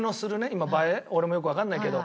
今映え俺もよくわかんないけど。